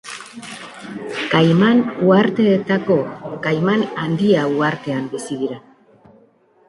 Kaiman uharteetako Kaiman handia uhartean bizi dira.